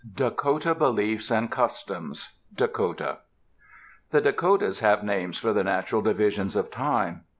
DAKOTA BELIEFS AND CUSTOMS Dakota The Dakotas have names for the natural divisions of time.